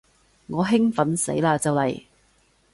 我興奮死嘞就嚟